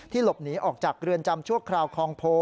หลบหนีออกจากเรือนจำชั่วคราวคลองโพ